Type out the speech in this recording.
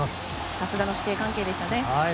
さすがの師弟関係でしたね。